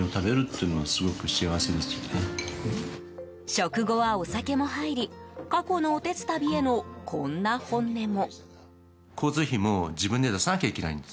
食後はお酒も入り過去のおてつたびへのこんな本音も。